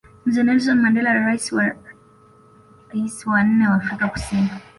Mzee Nelson Mandela na raisi Rais wa nne wa Afrika kusini